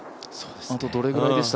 あとどれぐらいでした？